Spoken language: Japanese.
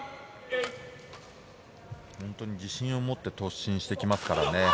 本当に自信を持って突進してきますからね。